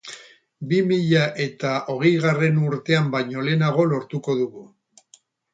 Bi mila eta hogeigarren urtea baino lehenago lortuko dugu.